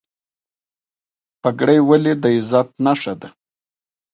پګړۍ ولې د عزت نښه ده؟